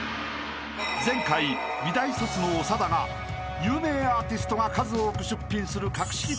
［前回美大卒の長田が有名アーティストが数多く出品する］